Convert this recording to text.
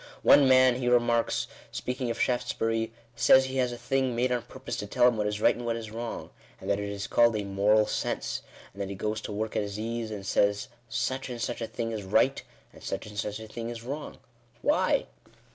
"One man," he remarks, speaking of Shaftesbury, "says he has a thing made on purpose to tell him what is right and what is wrong ; and that it is called a moral sense : and then Digitized by VjOOQIC /"22 INTRODUCTION. he goes to work at his ease, and says such and such a thing is right, and such and such a thing is wrong. Why